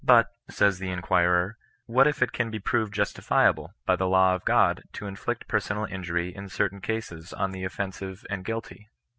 But, says the in quirer —" what if it can be proved justifiable, by the law of God, to inflict personal injury in certain cases on the offensive and guilty